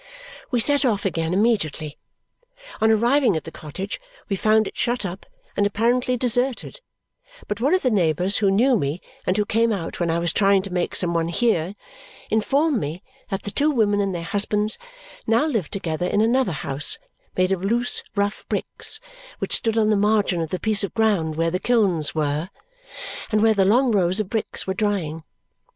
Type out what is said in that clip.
We set off again immediately. On arriving at the cottage, we found it shut up and apparently deserted, but one of the neighbours who knew me and who came out when I was trying to make some one hear informed me that the two women and their husbands now lived together in another house, made of loose rough bricks, which stood on the margin of the piece of ground where the kilns were and where the long rows of bricks were drying.